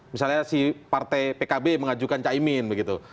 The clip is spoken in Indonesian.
misalnya si partai pkb mengajukan caimin begitu